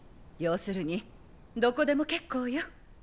要するにどこでも結構よ。